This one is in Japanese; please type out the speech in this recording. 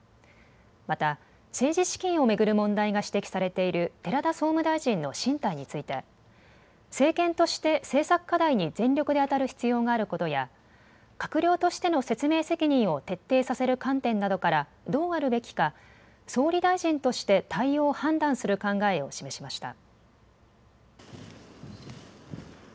また、政治資金を巡る問題が指摘されている寺田総務大臣の進退について、政権として政策課題に全力で当たる必要があることや、閣僚としての説明責任を徹底させる観点などからどうあるべきか、総理大臣として対応を判断する考えを示しました。